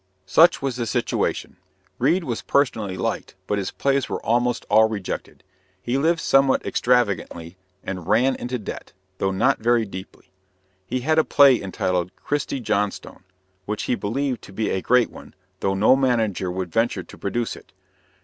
Such was the situation. Reade was personally liked, but his plays were almost all rejected. He lived somewhat extravagantly and ran into debt, though not very deeply. He had a play entitled "Christie Johnstone," which he believed to be a great one, though no manager would venture to produce it.